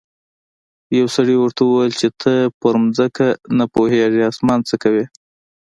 یو سړي ورته وویل چې ته په ځمکه نه پوهیږې اسمان څه کوې.